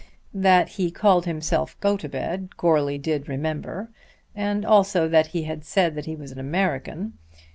That he called himself Gotobed Goarly did remember, and also that he had said that he was an American.